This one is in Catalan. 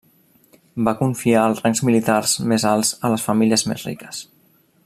Va confiar els rangs militars més alts a les famílies més riques.